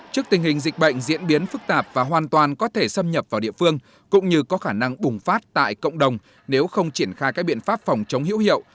trước tình hình dịch bệnh diễn biến phức tạp và hoàn toàn có thể xâm nhập vào địa phương cũng như có khả năng bùng phát tại cộng đồng nếu không triển khai các biện pháp phòng chống hữu hiệu